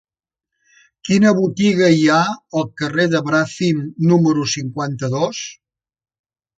Quina botiga hi ha al carrer de Bràfim número cinquanta-dos?